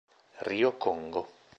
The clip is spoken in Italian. Rio Congo